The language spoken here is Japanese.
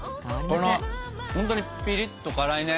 ほんとにピリッと辛いね。